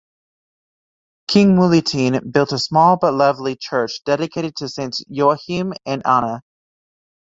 King Milutin built a small but lovely church dedicated to saints Joachim and Anna.